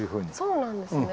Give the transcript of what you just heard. そうなんですね。